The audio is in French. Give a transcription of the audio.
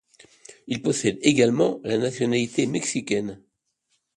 Il possède également la nationalité mexicaine.